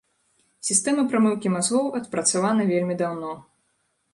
Сістэма прамыўкі мазгоў адпрацавана вельмі даўно.